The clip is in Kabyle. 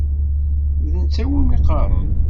D netta iwumi qqaren.